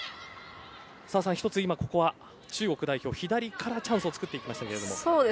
澤さん、１つここは中国代表は左からチャンスを作っていきましたけれども。